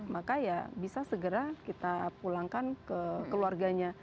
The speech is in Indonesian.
maka ya bisa segera kita pulangkan ke keluarganya